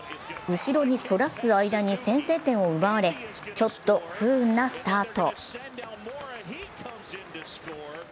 後ろにそらす間に先制点を奪われちょっと不運なスタート。